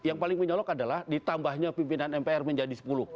yang paling menyolok adalah ditambahnya pimpinan mpr menjadi sepuluh